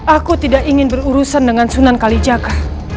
aku tidak ingin berurusan dengan sunan kalijaga